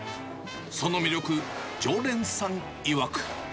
その魅力、常連さんいわく。